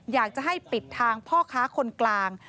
อยากจะให้ปิดทางพ่อค้าคนกลาง